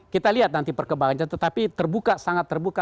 kita lihat nanti perkembangannya tetapi terbuka sangat terbuka